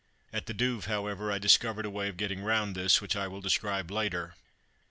At the Douve, however, I discovered a way of getting round this which I will describe later.